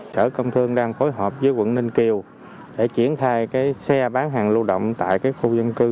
sở công thương đang phối hợp với quận ninh kiều để triển khai xe bán hàng lưu động tại khu dân cư